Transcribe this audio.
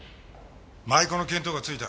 舞妓の見当がついた。